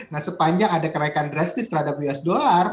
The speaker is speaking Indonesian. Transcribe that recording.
nah sepanjang ada kenaikan drastis terhadap us dollar